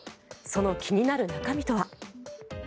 その気になる中身とは。